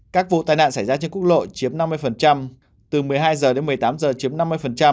các vụ tai nạn xảy ra trên quốc lộ chiếm năm mươi từ một mươi hai h đến một mươi tám h chiếm năm mươi